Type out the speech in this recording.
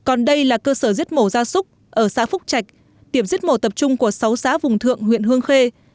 ở xã phúc trạch tiệm giết mổ tập trung của sáu xã vùng thượng huyện hương khê